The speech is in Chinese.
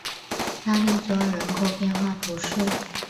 拉利佐尔人口变化图示